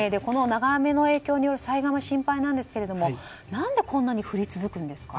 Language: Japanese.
長雨の影響による災害も心配なんですが何でこんなに降り続くんですか？